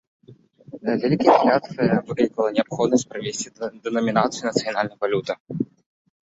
Вялікая інфляцыя выклікала неабходнасць правесці дэнамінацыю нацыянальнай валюты.